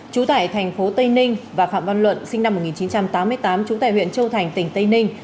chú tải tp tây ninh và phạm văn luận sinh năm một nghìn chín trăm tám mươi tám chú tải huyện châu thành tỉnh tây ninh